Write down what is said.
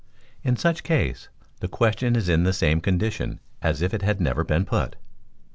In such case the question is in the same condition as if it had never been put.